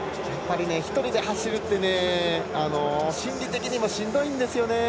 １人で走るって心理的にもしんどいんですよね。